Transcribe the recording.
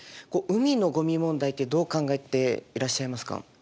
海のゴミ問題ってどう考えていらっしゃいますか？